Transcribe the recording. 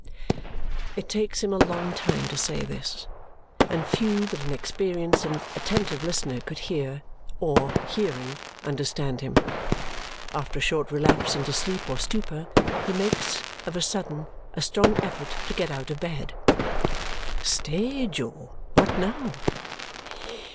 It takes him a long time to say this, and few but an experienced and attentive listener could hear, or, hearing, understand him. After a short relapse into sleep or stupor, he makes, of a sudden, a strong effort to get out of bed. "Stay, Jo! What now?"